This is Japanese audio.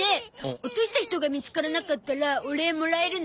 落とした人が見つからなかったらお礼もらえるの？